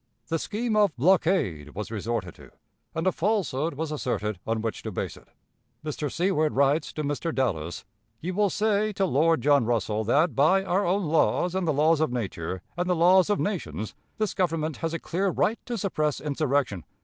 The scheme of blockade was resorted to, and a falsehood was asserted on which to base it. Mr. Seward writes to Mr. Dallas: "You will say (to Lord John Russell) that, by our own laws and the laws of nature and the laws of nations, this Government has a clear right to suppress insurrection.